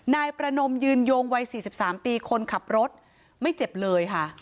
นายประนมยืนยงวัย๔๓ปีคนขับรถไม่เจ็บเลยค่ะ